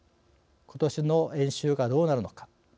ことしの演習がどうなるのか。